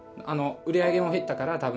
売り上げも減ったから多分。